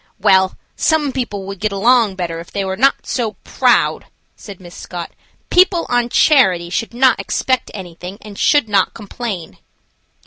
"Well, some people would get along better if they were not so proud," said Miss Scott. "People on charity should not expect anything and should not complain."